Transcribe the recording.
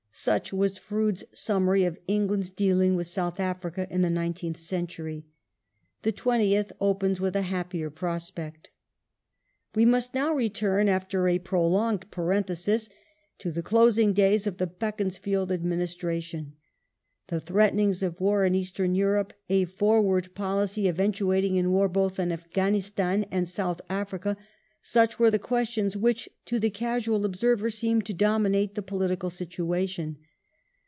Such was Froude's summary of England's dealing with South Africa in the nineteenth century. The twentieth opens with a happier prospect. The fall We must now return, after a prolonged parenthesis, to the Conserva closing days of the Beaconsfield administration. The threatenings tive of war in Eastern Europe, a forward policy eventuating in war ment'^" both in Afghanistan and in South Africa — such were the questions which, to the casual observer, seemed to dominate the political situation.